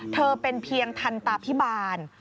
เธอเป็นเพียงทันตาพิบาล